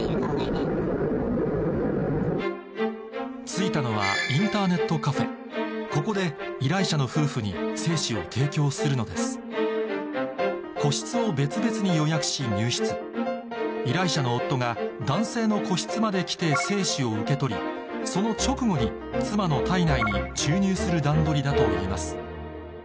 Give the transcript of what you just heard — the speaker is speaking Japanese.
着いたのはここで依頼者の夫婦に精子を提供するのです個室を別々に予約し入室依頼者の夫が男性の個室まで来て精子を受け取りその直後に妻の体内に注入する段取りだといいます